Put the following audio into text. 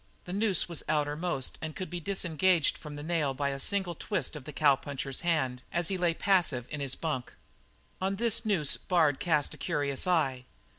The noose was outermost and could be disengaged from the nail by a single twist of the cowpuncher's hand as he lay passive in the bunk. On this noose Bard cast a curious eye.